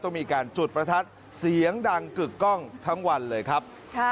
มีการจุดประทัดเสียงดังกึกกล้องทั้งวันเลยครับ